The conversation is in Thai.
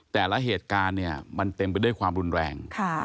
แต่ละเหตุการณ์เนี่ยมันเต็มไปด้วยความรุนแรง